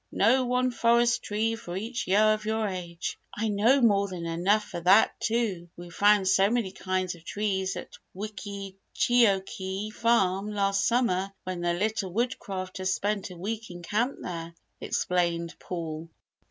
"Know one forest tree for each year of your age." "I know more than enough for that too; we found so many kinds of trees at Wickeecheokee Farm last summer when the Little Woodcrafters spent a week in camp there," explained Paul.